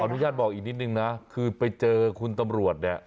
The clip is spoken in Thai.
อนุญาตบอกอีกนิดนึงนะคือไปเจอคุณตำรวจเนี่ย